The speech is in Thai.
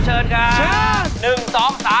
เชิญค่ะ